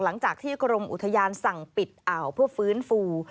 หลังจากที่กรมอุทยานสั่งปิดอ่าวเพื่อฟื้นฟู